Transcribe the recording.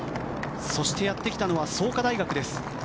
そして、やってきたのは創価大学です。